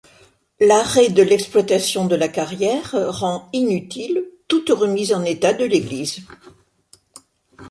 L’arrêt de l’exploitation de la carrière rend inutile toute remise en état de l’église.